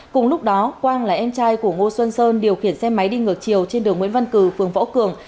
cùng lúc đó quang là em trai của ngô xuân sơn điều khiển xe máy đi ngược chiều trên đường nguyễn văn cử phường võ cường